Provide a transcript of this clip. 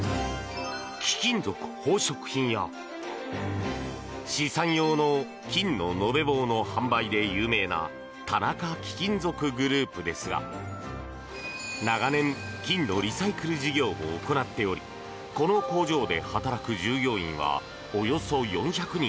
貴金属宝飾品や資産用の金の延べ棒の販売で有名な田中貴金属グループですが長年、金のリサイクル事業も行っておりこの工場で働く従業員はおよそ４００人。